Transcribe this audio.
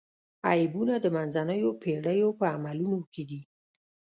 عیبونه د منځنیو پېړیو په عملونو کې دي.